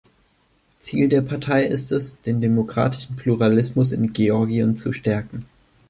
Ziel der Partei ist es, den demokratischen Pluralismus in Georgien zu stärken.